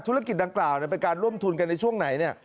ธุรกิจดังกล่าวเป็นการร่วมทุนกันในช่วงไหน